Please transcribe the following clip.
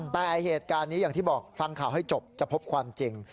แต่เหตุการณ์นี้อย่างที่บอกฟังข่าวให้จบจะพบความจริง